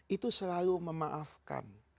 itu selalu memaafkan